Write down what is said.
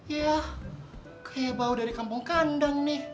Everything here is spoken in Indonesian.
ya kayak bau dari kampung kandang nih